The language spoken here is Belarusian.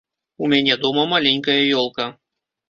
У мяне дома маленькая ёлка.